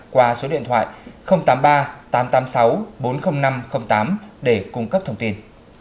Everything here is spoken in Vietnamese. qua số điện thoại tám mươi ba tám trăm tám mươi sáu bốn mươi nghìn năm trăm linh tám để cung cấp thông tin